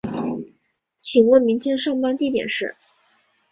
请问明天上课地点是